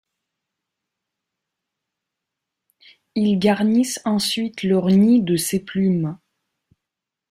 Ils garnissent ensuite leur nid de ces plumes.